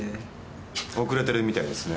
遅れてるみたいですね。